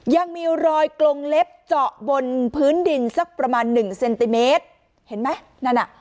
ยังมีรอยกลงเล็บเจาะบนพื้นดินสักประมาณหนึ่งเซนติเมตรเห็นไหมนั่นอ่ะ